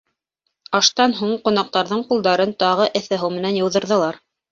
Аштан һуң ҡунаҡтарҙың ҡулдарын тағы эҫе һыу менән йыуҙырҙылар.